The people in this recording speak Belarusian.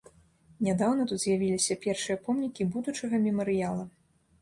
Нядаўна тут з'явіліся першыя помнікі будучага мемарыяла.